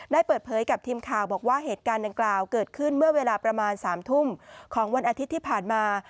ได้เปิดเผยกับทีมข่าวบอกว่าเหตุการณ์ดังกล่าวเกิดขึ้นเมื่อเวลาประมาณ๓ทุ่มของวันอาทิตย์ที่ผ่านมา